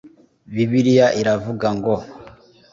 Bibiliya iravuga ngo